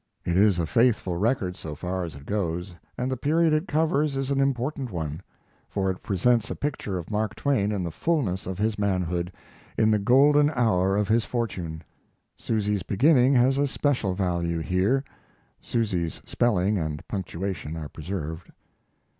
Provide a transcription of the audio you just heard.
It is a faithful record so far as it goes, and the period it covers is an important one; for it presents a picture of Mark Twain in the fullness of his manhood, in the golden hour of his fortune. Susy's beginning has a special value here: [Susy's' spelling and punctuation are preserved.